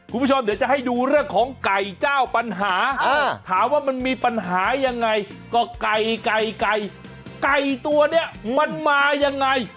คุณผู้ชมเดี๋ยวจะให้ดูเรื่องของไก่เจ้าปัญหาถามว่ามันมีปัญหายังไงก็ไก่ไก่ไก่ไก่ตัวนี้มันมายังไง